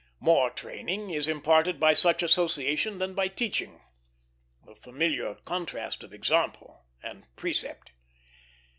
More training is imparted by such association than by teaching the familiar contrast of example and precept.